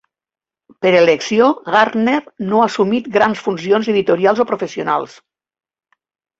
Per elecció, Gardner no ha assumit grans funcions editorials o professionals.